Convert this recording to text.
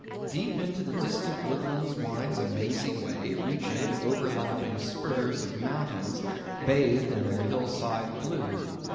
Deep into distant woodlands winds a mazy way, reaching to overlapping spurs of mountains bathed in their hill side blue.